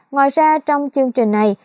ngoài ra trong chương trình này